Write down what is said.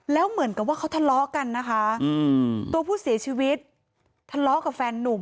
แล้วเหมือนกับว่าเขาทะเลาะกันนะคะตัวผู้เสียชีวิตทะเลาะกับแฟนนุ่ม